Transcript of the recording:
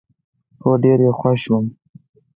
هو، ډیر یي خوښوم